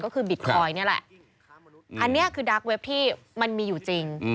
ก็คือบิตคอยน์นี่แหละอันนี้คือดาร์กเว็บที่มันมีอยู่จริง